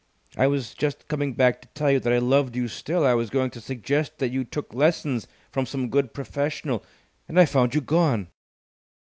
"I was just coming back to tell you that I loved you still. I was going to suggest that you took lessons from some good professional. And I found you gone!"